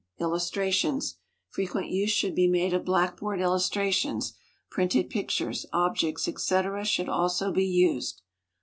Illustrations. Frequent use should be made of blackboard illustrations. Printed pictures, objects, etc., should also be used.